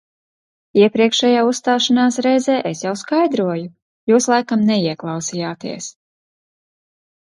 Iepriekšējā uzstāšanās reizē es jau skaidroju, jūs laikam neieklausījāties.